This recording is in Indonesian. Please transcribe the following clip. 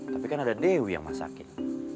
tapi kan ada dewi yang masakin